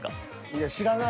いや知らない。